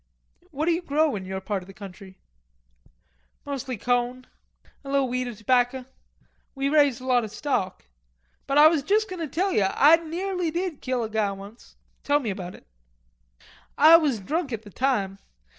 "What do you grow in your part of the country?" "Mostly coan. A little wheat an' tobacca. Then we raised a lot o' stock.... But Ah was juss going to tell ye Ah nearly did kill a guy once." "Tell me about it." "Ah was drunk at the time.